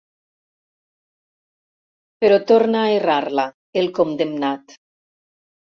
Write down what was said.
Però torna a errar-la, el condemnat.